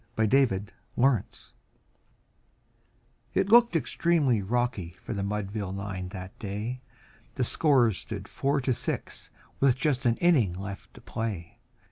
_ CASEY AT THE BAT It looked extremely rocky for the Mudville nine that day, The score stood four to six with but an inning left to play.